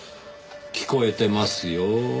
聞こえてますよ。